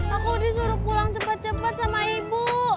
aku disuruh pulang cepat cepat sama ibu